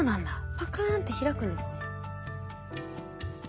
パカーンって開くんですね。